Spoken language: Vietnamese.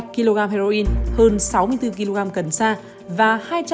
một mươi năm sáu mươi ba kg heroin hơn sáu mươi bốn kg cần sa